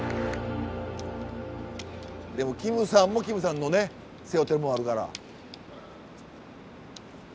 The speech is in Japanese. でもキムさんもキムさんのね背負ってるもんあるから。